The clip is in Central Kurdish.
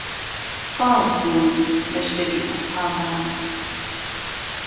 ساز بوون لهشکری ئەسحابان